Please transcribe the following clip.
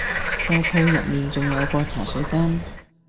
個鋪入面仲有個茶水間